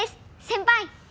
先輩！